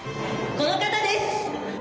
・この方です！